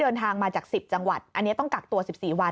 เอาง่ายคุณผู้ชมอย่างโฆภาษณ์